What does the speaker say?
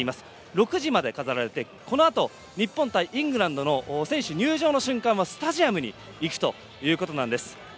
６時まで飾られてこのあと、日本対イングランドの選手入場の瞬間スタジアムに行くということなんです。